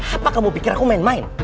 apa kamu pikir aku main main